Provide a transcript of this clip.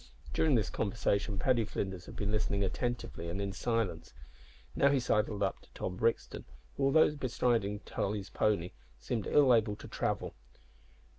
During this conversation Paddy Flinders had been listening attentively and in silence. He now sidled up to Tom Brixton, who, although bestriding Tolly's pony, seemed ill able to travel.